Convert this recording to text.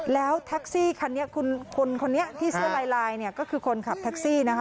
แล้วทักซี่คันนี้คุณที่เสื้อลายลายเนี่ยก็คือคนขับทักซี่นะคะ